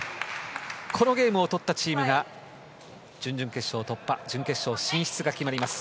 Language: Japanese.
このゲームを取ったチームが準々決勝突破準決勝進出が決まります。